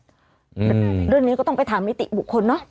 อื้มจริงนี่ก็ต้องไปถามนิติบุคคลนะ